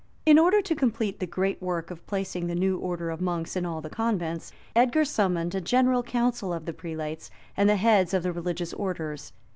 ] In order to complete the great work of placing the new order of monks in all the convents, Edgar summoned a general council of the prelates, and the heads of the religious orders.